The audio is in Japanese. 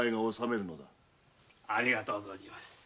ありがとう存じます。